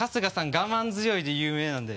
我慢強いで有名なんで。